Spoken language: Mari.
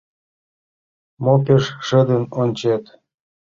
Мо пеш шыдын ончет?